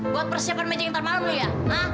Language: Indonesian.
buat persiapan meja yang nanti malam lu lihat